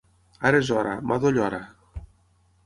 Ara és hora, madò Llora!